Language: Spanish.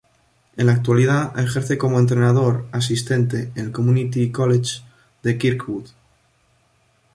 En la actualidad ejerce como entrenador asistente en el "Community College" de Kirkwood.